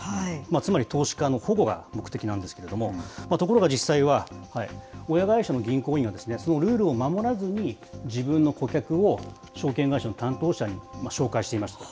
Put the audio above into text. つまり投資家の保護が目的なんですけれども、ところが実際は、親会社の銀行員がそのルールを守らずに、自分の顧客を証券会社の担当者に紹介しています。